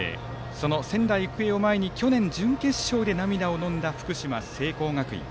その仙台育英を前に去年、準決勝で涙をのんだ福島・聖光学院。